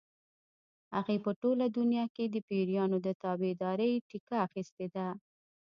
هغې په ټوله دنیا کې د پیریانو د تابعدارۍ ټیکه اخیستې ده.